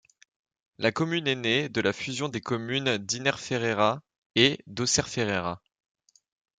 La commune est née de la fusion des communes d'Innerferrera et d'Ausserferrera.